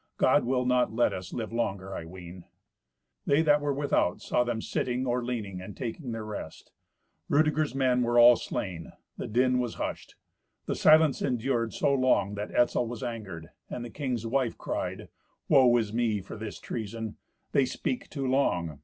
God will not let us live longer, I ween." They that were without saw them sitting, or leaning and taking their rest. Rudeger's men were all slain; the din was hushed. The silence endured so long that Etzel was angered, and the king's wife cried, "Woe is me for this treason. They speak too long.